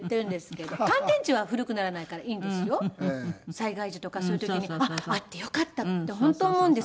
災害時とかそういう時にあっあってよかったって本当思うんです。